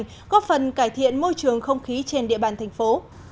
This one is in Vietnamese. góp phần cải thiện môi trường không khí trên địa bàn thành phố